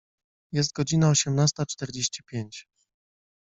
Jest godzina osiemnasta czterdzieści pięć.